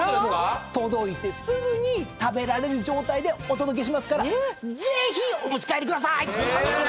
「届いてすぐに食べられる状態でお届けしますからぜひお持ち帰りください！」